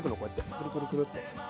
くるくるくるっと。